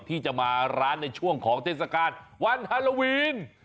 ที่จะมาร้านในช่วงของเทศกาลวันฮาโลวีน